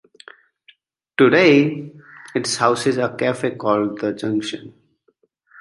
Today, it houses a cafe called "The Junction".